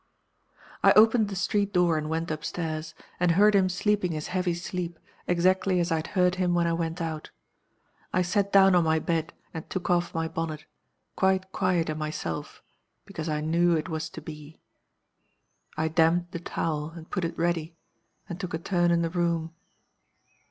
"I opened the street door and went up stairs, and heard him sleeping his heavy sleep, exactly as I had heard him when I went out. I sat down on my bed and took off my bonnet, quite quiet in myself, because I knew it was to be. I damped the towel, and put it ready, and took a turn in the room.